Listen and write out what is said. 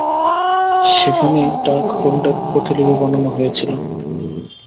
সেখানেই ডার্কহোল্ডের প্রতিলিপি বানানো হয়েছিল।